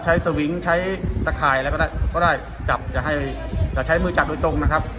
สวิงใช้ตะข่ายอะไรก็ได้ก็ได้จับจะให้อย่าใช้มือจับโดยตรงนะครับ